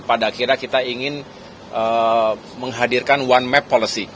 pada akhirnya kita ingin menghadirkan one map policy